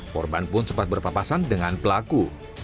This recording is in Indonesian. korban pun sempat berpapasan dengan pelaku